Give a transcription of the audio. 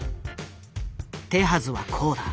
手はずはこうだ。